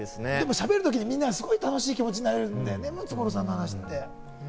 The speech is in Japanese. しゃべるとき、みんなが楽しい気持ちになれるんだよね、ムツゴロウさんの話って。